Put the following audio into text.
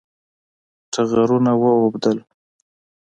ټغرونه واوبدل